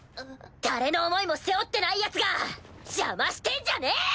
誰の思いも背負ってないヤツが邪魔してんじゃねぇ！